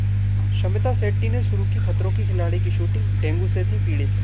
शमिता शेट्टी ने शुरू की खतरों की खिलाड़ी की शूटिंग, डेंगू से थीं पीड़ित